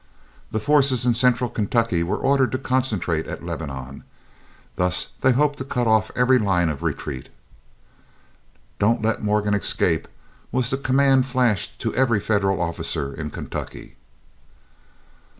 The forces in Central Kentucky were ordered to concentrate at Lebanon. Thus they hoped to cut off every line of retreat. "Don't let Morgan escape," was the command flashed to every Federal officer in Kentucky.